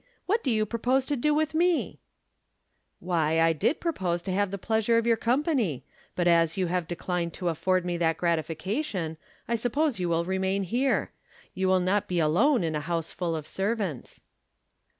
What do you propose to do with me ?"" Why, I did propose to have the pleasure of your company ; but, as you have declined to af ford me that gratification, I suppose you will re main here. You wUl not be alone in a house full of servants."